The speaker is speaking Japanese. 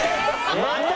また？